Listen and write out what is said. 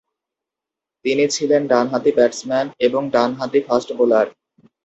তিনি ছিলেন ডানহাতি ব্যাটসম্যান এবং ডানহাতি ফাস্ট বোলার।